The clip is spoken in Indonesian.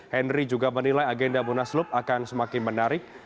henry juga menilai agenda munaslup akan semakin menarik